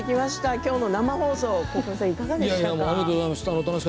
今日の生放送いかがでしたか？